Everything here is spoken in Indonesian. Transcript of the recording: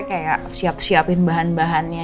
kayak siap siapin bahan bahannya